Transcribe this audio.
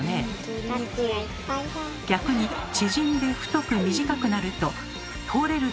逆に縮んで太く短くなると通れる